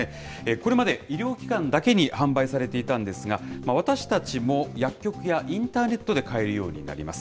これまで医療機関だけに販売されていたんですが、私たちも薬局やインターネットで買えるようになります。